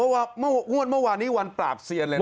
นี่เท่ากับว่างวดเมื่อวานนี้วันปราบเซียนเลยนะครับ